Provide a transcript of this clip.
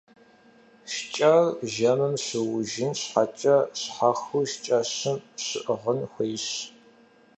ШкӀэр жэмым щыужын щхьэкӀэ щхьэхуэу шкӀэщым щыӀыгъын хуейщ.